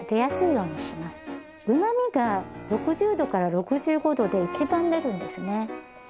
うまみが６０℃６５℃で一番出るんですね。